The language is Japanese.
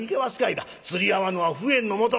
釣り合わんのは不縁のもと。